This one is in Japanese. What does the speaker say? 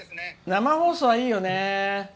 生放送はいいよね。